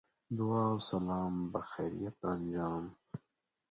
دعا و سلام بخیریت انجام.